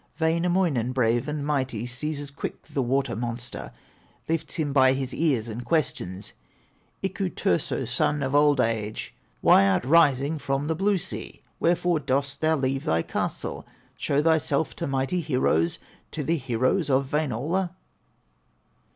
Wainamoinen, brave and mighty, Seizes quick the water monster, Lifts him by his ears and questions: "Iku Turso, son of Old age, Why art rising from the blue sea? Wherefore dost thou leave thy castle, Show thyself to mighty heroes, To the heroes of Wainola?"